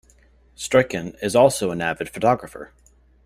Struycken is also an avid photographer.